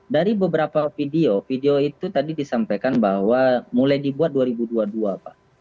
dari beberapa video video itu tadi disampaikan bahwa mulai dibuat dua ribu dua puluh dua pak